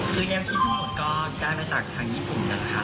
คือแนวคิดทั้งหมดก็ได้มาจากทางญี่ปุ่นนะคะ